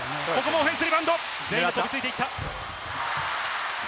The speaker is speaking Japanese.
オフェンスリバウンド、飛びついていった。